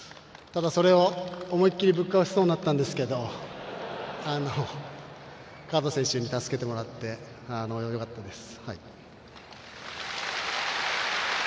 ただ、それを思いっきりぶっ壊しそうになったんですけど河田選手に助けてもらってよかったです。